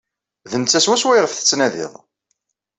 D netta swaswa ayɣef tettnadiḍ.